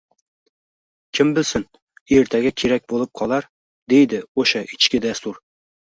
kim bilsin, ertaga kerak bo‘lib qolar” – deydi o‘sha ichki dastur